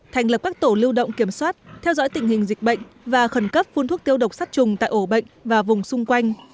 thành lập các tổ lưu động kiểm soát theo dõi tình hình dịch bệnh và khẩn cấp phun thuốc tiêu độc sát trùng tại ổ bệnh và vùng xung quanh